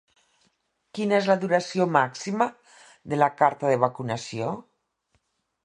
Quina és la duració màxima de la carta de vacunació?